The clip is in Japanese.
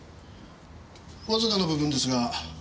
わずかな部分ですが指紋です。